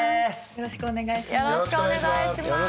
よろしくお願いします。